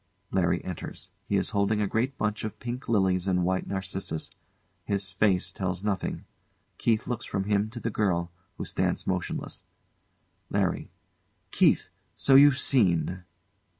LARRY enters. He is holding a great bunch of pink lilies and white narcissus. His face tells nothing. KEITH looks from him to the girl, who stands motionless. LARRY. Keith! So you've seen?